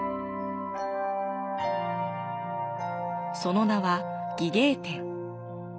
その名は伎芸天。